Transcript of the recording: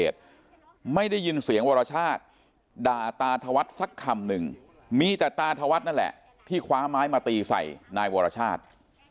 ตาธวัฒน์สักคำหนึ่งมีแต่ตาธวัฒน์นั่นแหละที่คว้าไม้มาตีใส่นายวรชาติ